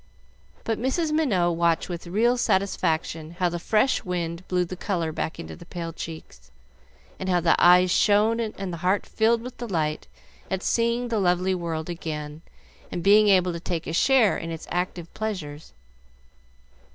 But Mrs. Minot watched with real satisfaction how the fresh wind blew the color back into the pale cheeks, how the eyes shone and the heart filled with delight at seeing the lovely world again, and being able to take a share in its active pleasures.